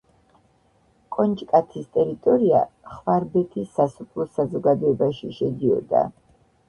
კონჭკათის ტერიტორია ხვარბეთის სასოფლო საზოგადოებაში შედიოდა.